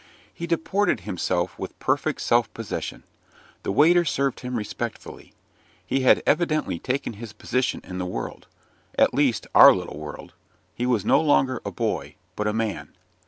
He deported himself with perfect self possession; the waiter served him respectfully. He had evidently taken his position in the world at least, our little world he was no longer a boy, but a man.